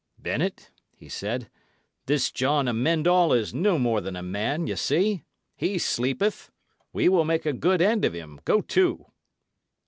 "Bennet," he said, "this John Amend All is no more than a man, ye see. He sleepeth. We will make a good end of him, go to!"